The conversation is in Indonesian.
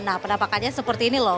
nah penampakannya seperti ini loh